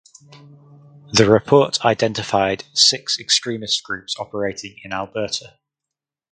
The report identified six extremist groups operating in Alberta.